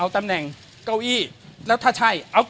เอาตำแหน่งเก้าอี้ผู้จัดการตำรวจแห่งชาติมาเดิมพันกัน